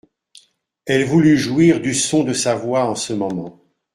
Elle voulut jouir du son de sa voix en ce moment.